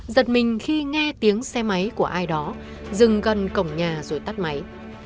giật mình khi nghe tiếng xe máy của ai đó dừng gần cổng nhà rồi tắt máy